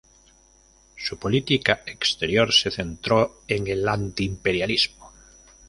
Su política exterior se centró en el antiimperialismo.